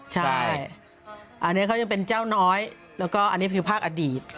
ใช่อันนี้เขายังเป็นเจ้าน้อยแล้วก็อันนี้คือภาคอดีต